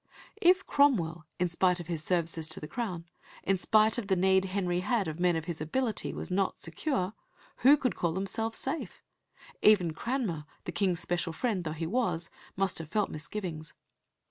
If Cromwell, in spite of his services to the Crown, in spite of the need Henry had of men of his ability, was not secure, who could call themselves safe? Even Cranmer, the King's special friend though he was, must have felt misgivings.